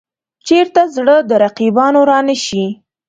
چېرته زړه د رقیبانو را نه شي.